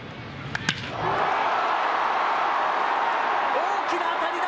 大きな当たりだ。